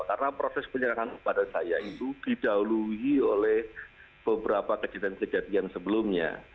karena proses penyerahan kepada saya itu didalui oleh beberapa kejadian kejadian sebelumnya